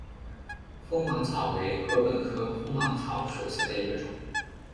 锋芒草为禾本科锋芒草属下的一个种。